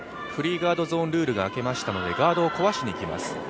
フリーガードゾーンルールが明けましたのでガードを壊しにいきます。